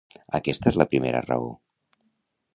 Aquesta és la primera raó.